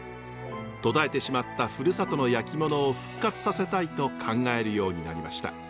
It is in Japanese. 途絶えてしまったふるさとの焼き物を復活させたいと考えるようになりました。